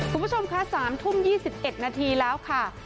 คุณผู้ชมคะ๓ทุ่ม๒๑นาทีแล้วค่ะ